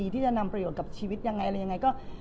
ที่จะนำประโยชน์กับชีวิตยังไงอะไรยังไงก็